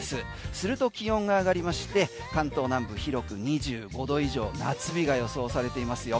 すると気温が上がりまして関東南部広く２５度以上夏日が予想されていますよ。